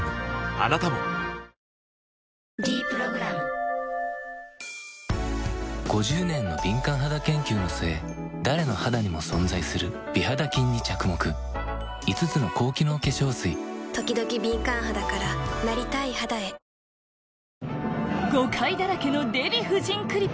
あなたも「ｄプログラム」５０年の敏感肌研究の末誰の肌にも存在する美肌菌に着目５つの高機能化粧水ときどき敏感肌からなりたい肌へ国際社交家！